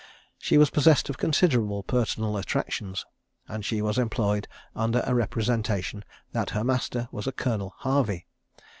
She was possessed of considerable personal attractions, and she was employed under a representation that her master was a Colonel Harvey.